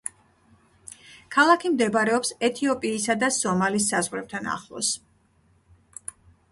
ქალაქი მდებარეობს ეთიოპიისა და სომალის საზღვრებთან ახლოს.